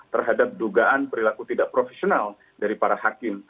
terhadap dugaan perilaku tidak profesional dari para hakim